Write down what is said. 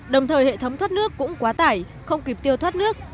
đồng thời hệ thống thoát nước cũng quá tải không kịp tiêu thoát nước